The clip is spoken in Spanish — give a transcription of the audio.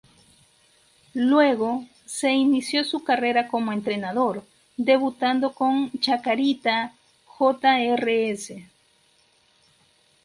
Luego, se inició su carrera como entrenador, debutando con Chacarita Jrs.